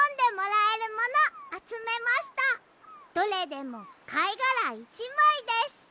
どれでもかいがら１まいです。